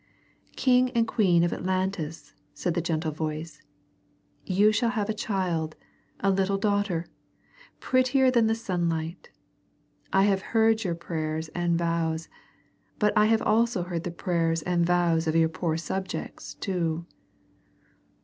"King and Queen of Atlantis," said the gentle voice. "You shall have a child, a little daughter, prettier than the sunlight. I have heard your prayers and vows, but I have also heard the prayers and vows of your poor subjects, too."